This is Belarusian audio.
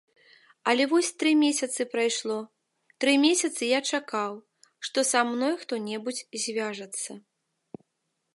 Але вось тры месяцы прайшло, тры месяцы я чакаў, што са мной хто-небудзь звяжацца.